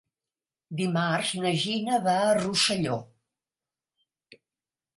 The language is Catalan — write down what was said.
Dimarts na Gina va a Rosselló.